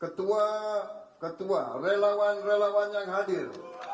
ketua ketua relawan relawan yang hadir